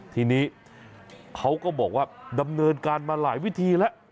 ทีนี้เขาก็บอกว่าดำเนินการมาหลายวิธีแล้ว